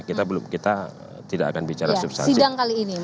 kita tidak akan bicara soal sidang kali ini